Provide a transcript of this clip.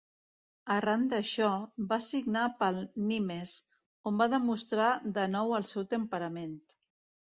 Arran d'això, va signar pel Nimes, on va demostrar de nou el seu temperament.